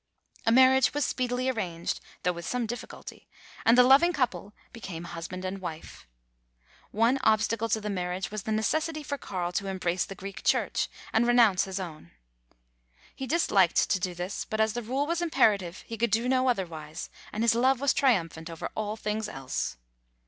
A marriage was speedily arranged, though with some difficulty, 256 THE TALKING HANDKERCHIEF. and the loving couple became husband and wife. One obstacle to the marriage was the necessity for Carl to embrace the Greek Church, and renounce his own. He disliked to do this, but as the rule was imperative he could do no otherwise, and his love was triumphant over all things else.